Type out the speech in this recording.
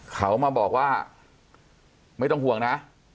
เขามาบอกว่าไม่ต้องห่วงนะ